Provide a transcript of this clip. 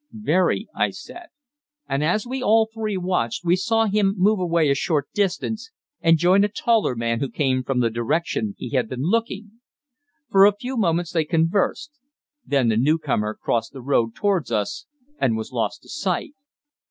"Very," I said. And as we all three watched we saw him move away a short distance and join a taller man who came from the direction he had been looking. For a few moments they conversed. Then the new comer crossed the road towards us and was lost to sight.